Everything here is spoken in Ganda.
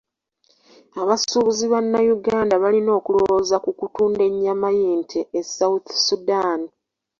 Abasuubuzi bannayuganda balina okulowooza ku kutunda ennyama y'ente e South Sudan.